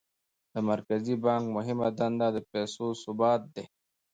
د مرکزي بانک مهمه دنده د پیسو ثبات دی.